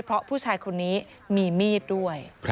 เพราะผู้ชายคนนี้มีมีดด้วย